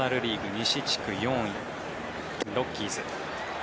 西地区４位ロッキーズ。